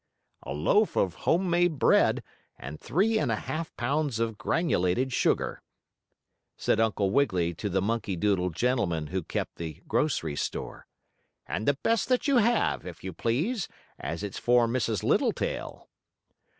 "A loaf of home made bread and three and a half pounds of granulated sugar," said Uncle Wiggily to the monkey doodle gentleman who kept the grocery store. "And the best that you have, if you please, as it's for Mrs. Littletail."